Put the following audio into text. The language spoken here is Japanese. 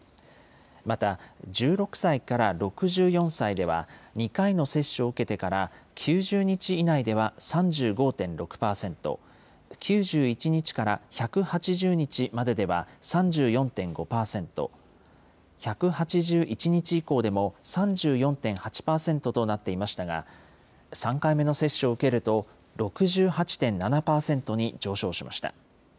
また、１６歳から６４歳では、２回の接種を受けてから９０日以内では３５．６％、９１日から１８０日まででは３４．５％、１８１日以降でも３４．８％となっていましたが、３回目の接種を受けると６８．７％に上昇しました。